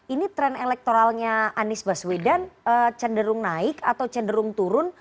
ini tren elektoralnya anies baswedan cenderung naik atau cenderung turun